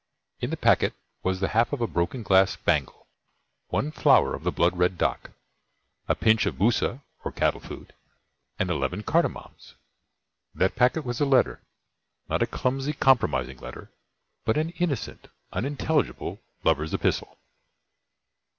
In the packet was the half of a broken glass bangle, one flower of the blood red dhak, a pinch of bhusa or cattle food, and eleven cardamoms. That packet was a letter not a clumsy compromising letter, but an innocent, unintelligible lover's epistle.